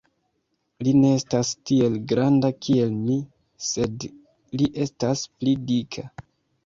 Li ne estas tiel granda kiel mi, sed li estas pli dika.